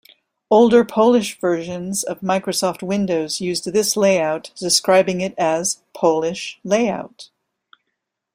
Older Polish versions of Microsoft Windows used this layout, describing it as "Polish layout".